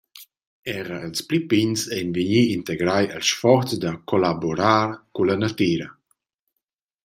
Era ils pli pigns ein vegni integrai els sforzs da collaborar culla natira.